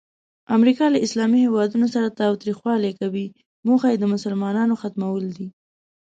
امریکا له اسلامي هیوادونو سره تاوتریخوالی کوي، موخه یې د مسلمانانو ختمول دي.